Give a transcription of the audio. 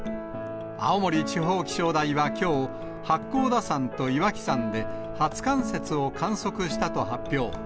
青森地方気象台はきょう、八甲田山と岩木山で初冠雪を観測したと発表。